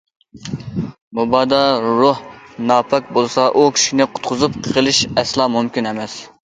مۇبادا، روھ ناپاك بولسا ئۇ كىشىنى قۇتقۇزۇپ قېلىش ئەسلا مۇمكىن ئەمەس.